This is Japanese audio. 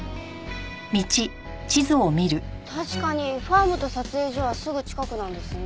確かにファームと撮影所はすぐ近くなんですね。